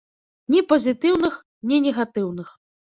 Ні пазітыўных, ні негатыўных.